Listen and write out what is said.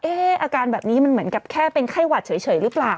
อาการแบบนี้มันเหมือนกับแค่เป็นไข้หวัดเฉยหรือเปล่า